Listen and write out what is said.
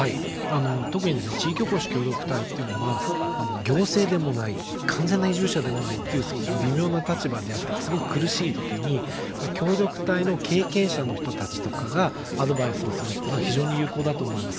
特に地域おこし協力隊というのは行政でもない完全な移住者でもないという微妙な立場にあってすごく苦しい時に協力隊の経験者の人たちとかがアドバイスをするというのは非常に有効だと思います。